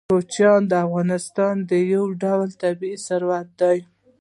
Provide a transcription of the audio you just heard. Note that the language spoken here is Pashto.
کوچیان د افغانستان یو ډول طبعي ثروت دی.